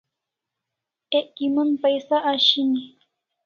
Ek kimon paisa ashini